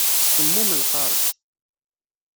Semmum lqareṣ.